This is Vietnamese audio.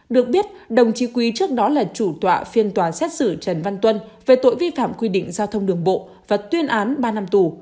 được biết đồng chí quy trước đó là chủ tọa phiên tòa xét xử trần văn tuân về tội vi phạm quy định giao thông đường bộ và tuyên án ba năm tù